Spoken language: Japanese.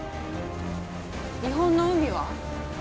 日本の海は？